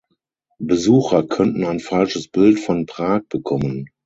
Besucher könnten ein falsches Bild von Prag bekommen.